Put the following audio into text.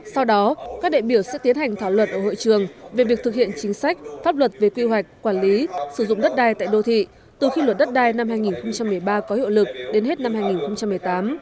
sau đó các đại biểu sẽ tiến hành thảo luận ở hội trường về việc thực hiện chính sách pháp luật về quy hoạch quản lý sử dụng đất đai tại đô thị từ khi luật đất đai năm hai nghìn một mươi ba có hiệu lực đến hết năm hai nghìn một mươi tám